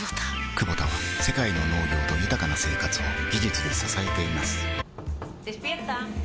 クボタは世界の農業と豊かな生活を技術で支えています起きて。